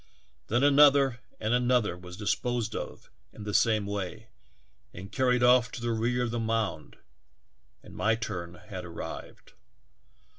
Then another and another was disposed of in the same way and car ried off to the rear of the mound, and my turn had arrived